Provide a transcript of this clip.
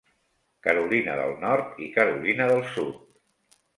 Carolina del Nord i Carolina del Sud.